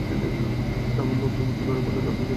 লাবণ্য অগ্নিমূর্তি ধরে বললে, আপনি কেন এ বাড়িতে আসেন?